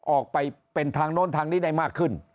ออกไปเป็นทางโน้นทางนี้ได้มากขึ้น